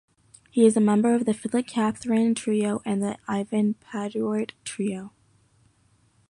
He is a member of Philip Catherine trio and the Ivan Paduart trio.